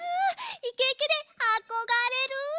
イケイケであこがれる！